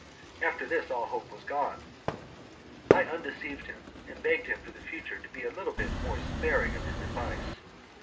After this, all hope was gone. I undeceived him, and begged him for the future to be a little more sparing of his advice.